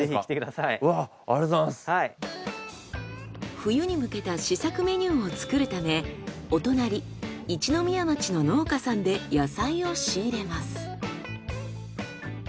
冬に向けた試作メニューを作るためお隣一宮町の農家さんで野菜を仕入れます。